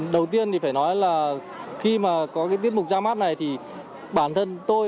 đầu tiên thì phải nói là khi mà có cái tiết mục ra mắt này thì bản thân tôi